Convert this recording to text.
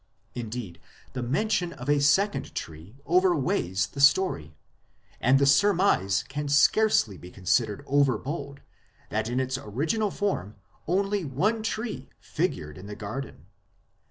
Indeed, the mention of a second tree overweights the story ; and the surmise can scarcely be considered over bold that in its original form only one tree figured in the garden.